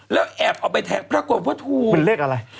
แล้วแอบออกไปแท้งพระควรพระธูมิ